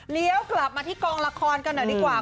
กลับมาที่กองละครกันหน่อยดีกว่า